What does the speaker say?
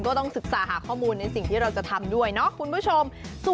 ก็ต้องศึกษาหาข้อมูลในสิ่งที่เราจะทำด้วยเนาะคุณผู้ชม